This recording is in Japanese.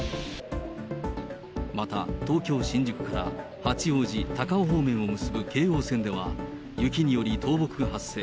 また、東京・新宿から八王子、高尾方面を結ぶ京王線では、雪により倒木が発生。